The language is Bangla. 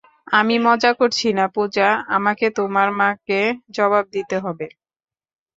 আমি মজা করছি না, পূজা, আমাকে তোমার মাকে জবাব দিতে হবে।